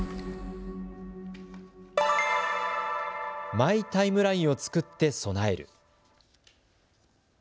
マイ・タイムラインを作って備える。